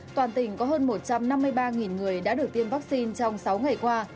toàn tỉnh có hơn một trăm năm mươi ba người đã được tiêm vaccine trong sáu ngày qua